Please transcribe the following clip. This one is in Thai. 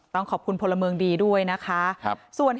ต้องขอบคุณพลเมืองดีด้วยนะคะ